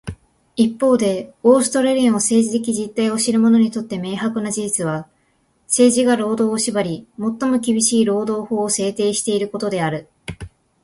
一方で、オーストラリアの政治的実態を知る者にとって明白な事実は、政治が労働を縛り、最も厳しい労働法を制定していることである。